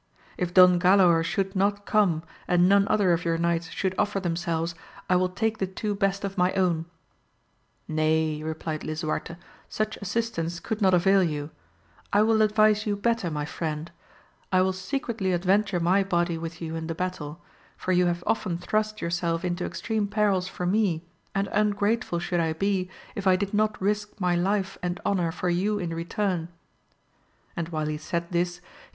If Don Galaor should not come, and none other of your knights should offer themselves, I will take the two best of my own. Nay, replied Lisuarte, such assistants could not avail you ; I will advise you better my friend ; I will secretly ad venture my body with you in the battle, for you have often thrust yourself into extreme perils for me, and ungrateful should I be, if I did not risque my life and honour for you in return ; and while he said this he 4—2 62 AMADIS OF GAUL.